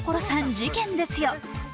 事件ですよ」。